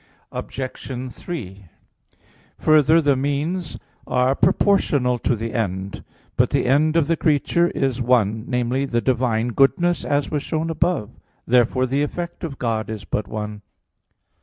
Obj. 3: Further, the means are proportional to the end. But the end of the creation is one viz. the divine goodness, as was shown above (Q. 44, A. 4). Therefore the effect of God is but one.